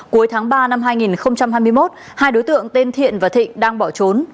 cuối tháng ba năm hai nghìn hai mươi một hai đối tượng tên thiện và thịnh đang bỏ trốn